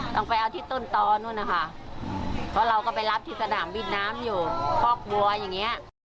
ต้องไปเอาที่ต้นตอนนู้นนะคะเพราะเราก็ไปรับที่สนามบินน้ำอยู่คอกบัวอย่างเงี้ย